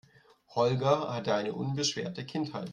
Holger hatte eine unbeschwerte Kindheit.